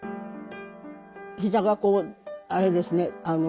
ひざがこうあれですね